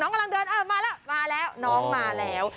น้องกำลังเดินมาแล้วน้องมาแล้ว